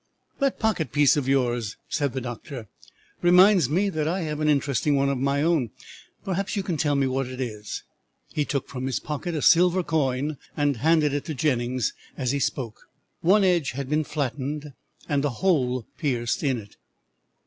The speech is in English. "That pocket piece of yours," said the doctor, "reminds me that I have an interesting one of my own; perhaps you can tell me what it is." He took from his pocket a silver coin and handed it to Jennings, as he spoke. One edge had been flattened, and a hole pierced in it.